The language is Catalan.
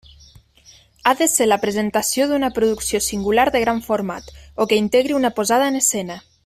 Ha de ser la presentació d'una producció singular de gran format o que integri una posada en escena.